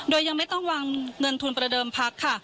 โดยยังไม่ต้องวางเงินทุนประเดิมพักค่ะ